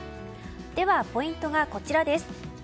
ではポイントはこちらです。